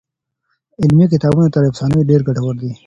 علمي کتابونه تر افسانو ډېر ګټور دي.